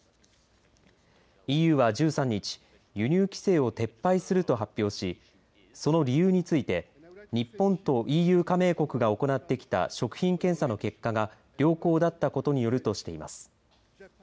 ＥＵは１３日輸入規制を撤廃すると発表しその理由について日本とＥＵ加盟国が行ってきた食品検査の結果が良好だったことによるとしています。